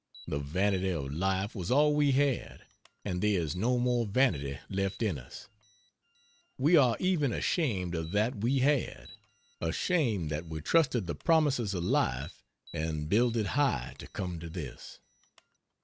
The vanity of life was all we had, and there is no more vanity left in us. We are even ashamed of that we had; ashamed that we trusted the promises of life and builded high to come to this!